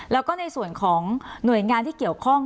แล้วก็ในส่วนของหน่วยงานที่เกี่ยวข้อง